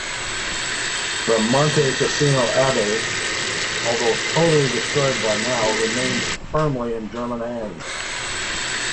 The Monte Cassino Abbey, although totally destroyed by now, remained firmly in German hands.